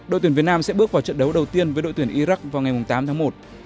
đội tuyển việt nam sẽ bước vào trận đấu đầu tiên với đội tuyển iraq vào ngày tám tháng một